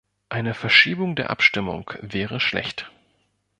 Eine Verschiebung der Abstimmung wäre schlecht.